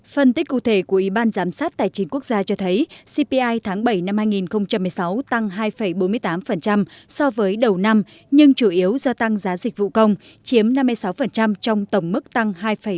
phân tích cụ thể của ủy ban giám sát tài chính quốc gia cho thấy cpi tháng bảy năm hai nghìn một mươi sáu tăng hai bốn mươi tám so với đầu năm nhưng chủ yếu do tăng giá dịch vụ công chiếm năm mươi sáu trong tổng mức tăng hai bảy mươi